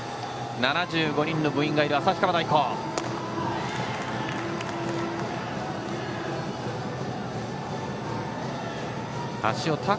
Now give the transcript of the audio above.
７５人の部員がいる旭川大高。